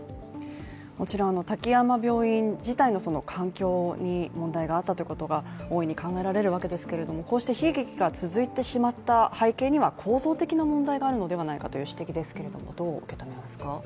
もちろん滝山病院自体の環境に問題があったということは大いに考えられるわけですけども、こうして悲劇が続いてしまった背景には構造的な問題があるのではないかという指摘ですが、どうですか？